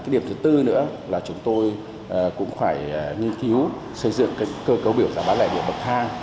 điểm thứ tư nữa là chúng tôi cũng phải nghiên cứu xây dựng cơ cấu biểu giá bán lẻ điện bậc thang